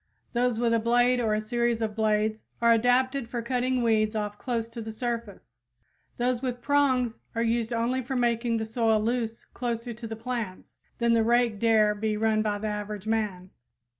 Those with a blade or a series of blades are adapted for cutting weeds off close to the surface; those with prongs are useful only for making the soil loose closer to the plants than the rake dare be run by the average man.